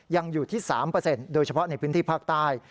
ยังอยู่ที่๓โดยเฉพาะในพื้นที่ภาคใต้